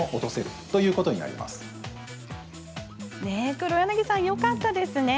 畔柳さん、よかったですね。